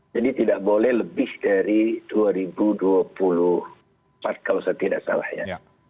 jadi tidak boleh lebih dari dua ribu dua puluh empat kalau saya tidak salah ya